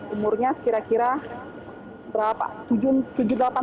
umurnya sekira kira berapa